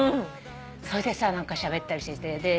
それでさ何かしゃべったりして。